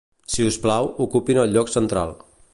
Si us plau, ocupin el lloc central.